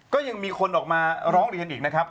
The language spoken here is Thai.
ก็ยังมีคนออกมาร้องเรียนอีกนะครับ